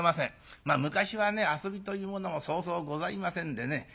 昔はね遊びというものもそうそうございませんでね。